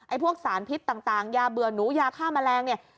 พวกสารพิษต่างยาเบื่อหนูยาฆ่าแมลงเนี่ย